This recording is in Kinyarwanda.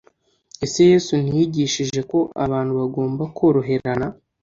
ese yesu ntiyigishije ko abantu bagomba koroherana‽